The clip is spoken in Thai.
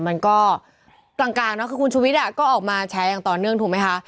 เหมือนก็ต่างกลางคือคุณชูวิทธิ์ก็ออกมาแชร์อย่างต่อเนื่องถูกไหมคะ